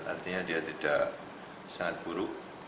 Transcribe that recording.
artinya dia tidak sangat buruk